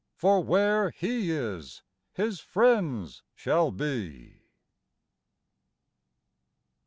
— For where He is, His friends shall be.